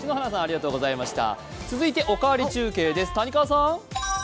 続いて「おかわり中継」です、谷川さん。